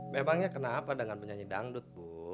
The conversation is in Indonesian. memangnya kenapa dengan penyanyi dangdut bu